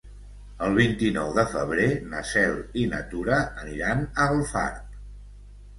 El vint-i-nou de febrer na Cel i na Tura aniran a Alfarb.